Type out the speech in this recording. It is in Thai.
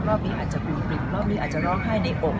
รอบนี้อาจจะบิดรอบนี้อาจจะร้องไห้ในอก